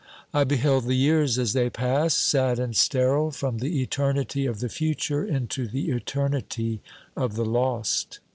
I beheld the years as they pass, sad and sterile, from the eternity of the future into the eternity of the lost.